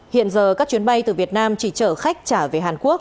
hiện giờ các chuyến bay từ việt nam chỉ chở khách